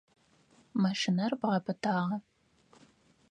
Машинэр бгъапытагъа?